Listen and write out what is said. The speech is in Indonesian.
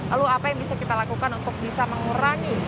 lalu apa yang bisa kita lakukan untuk bisa mengurangi